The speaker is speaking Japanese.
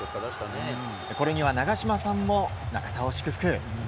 これには長嶋さんも中田を祝福。